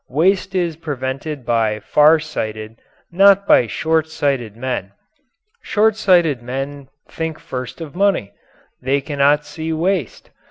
Waste is prevented by far sighted not by short sighted men. Short sighted men think first of money. They cannot see waste.